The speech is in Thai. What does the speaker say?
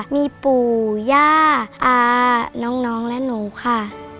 มีปู่ย่าตาน้องและหนูค่ะ